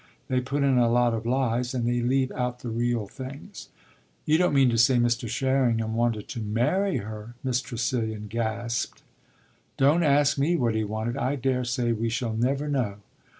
They put in a lot of lies and they leave out the real things." "You don't mean to say Mr. Sherringham wanted to marry her!" Miss Tressilian gasped. "Don't ask me what he wanted I daresay we shall never know.